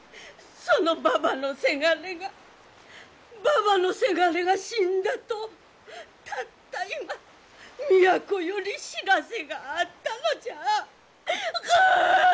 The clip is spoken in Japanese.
そのばばのせがれがばばのせがれが死んだとたった今都より知らせがあったのじゃ！